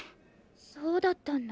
そうだったんだ。